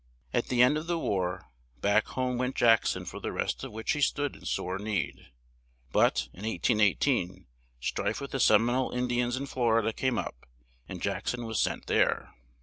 At the end of the war, back home went Jack son for the rest of which he stood in sore need; but, in 1818, strife with the Sem i nole In di ans in Flor i da came up, and Jack son was sent there.